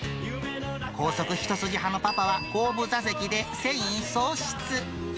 高速一筋派のパパは、後部座席で戦意喪失。